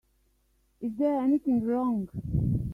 Is there anything wrong?